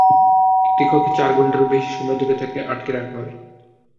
একটি কক্ষে চার ঘণ্টারও বেশি সময় ধরে তাকে আটকে রাখা হয়।